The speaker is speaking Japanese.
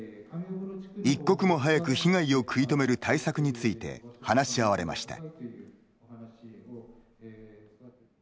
一刻も早く被害を食い止める対策について、話し合われました。